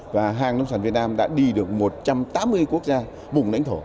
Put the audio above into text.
và hàng nông sản việt nam đã đi được một trăm tám mươi quốc gia vùng lãnh thổ